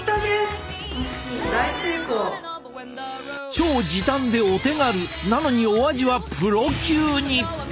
超時短でお手軽！なのにお味はプロ級に。